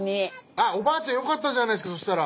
あっおばあちゃんよかったじゃないですかそしたら。